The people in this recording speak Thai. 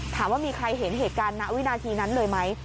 ถามว่ามีใครเห็นเหตุการณ์ณวินาทีนั้นเลยไหม